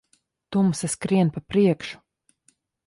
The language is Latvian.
Tumsa skrien pa priekšu.